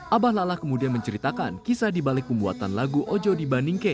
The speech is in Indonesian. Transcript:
abah lala kemudian menceritakan kisah dibalik pembuatan lagu ojo di bandingke